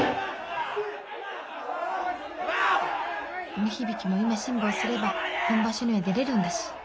梅響も今辛抱すれば本場所には出れるんだし。